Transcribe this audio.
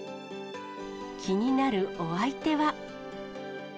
気になるお相手は。